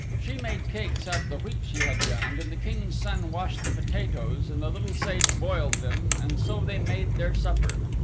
She made cakes out of the wheat she had ground and the King's Son washed the potatoes and the Little Sage boiled them and so they made their supper.